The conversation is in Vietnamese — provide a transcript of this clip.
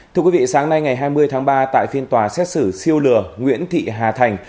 thưa quý vị sáng nay ngày hai mươi tháng ba tại phiên tòa xét xử siêu lừa nguyễn thị hà thành